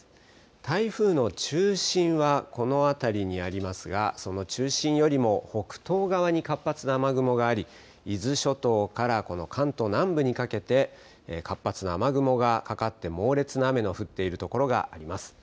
台風の中心はこの辺りにありますが、その中心よりも北東側に活発な雨雲があり、伊豆諸島から関東南部にかけて、活発な雨雲がかかって、猛烈な雨の降っている所があります。